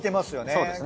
そうですね。